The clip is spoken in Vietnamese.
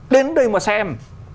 đến đây mà xem